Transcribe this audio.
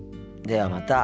ではまた。